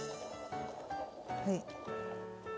はい。